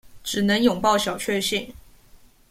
只能擁抱小卻幸